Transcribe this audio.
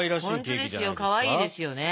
本当ですよかわいいですよね。